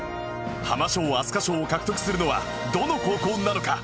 ハマ賞アスカ賞を獲得するのはどの高校なのか？